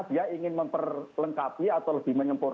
dan kalau poner